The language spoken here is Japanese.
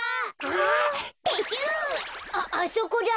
あっあそこだ。